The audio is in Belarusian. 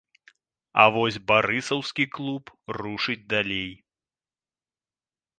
А вось барысаўскі клуб рушыць далей.